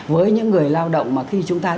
với những người lao động mà khi chúng ta